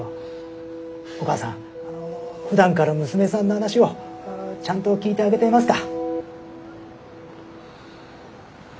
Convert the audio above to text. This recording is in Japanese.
お母さんふだんから娘さんの話をちゃんと聞いてあげていますか？